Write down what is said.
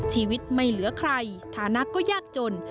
ชีวิตไม่เหลือใครฐานะก็ยากจน